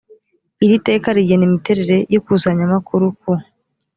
iri teka rigena imiterere y ikusanyamakuru ku